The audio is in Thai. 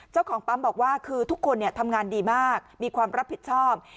เจ้าของปั๊มบอกว่าคือทุกคนทำงานดีมากมีความรับผิดชอบ